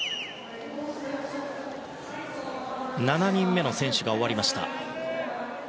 ７人目の選手が終わりました。